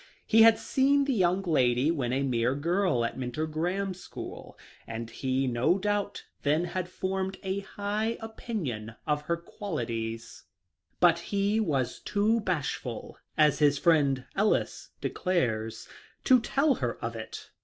He had seen the young lady when a mere girl at Mentor Graham's school, and he, no doubt, then had formed a high opinion of her qualities. 136 THE LIFE OF LINCOLN. But he was too bashful, as his friend Ellis declares, to tell her of it.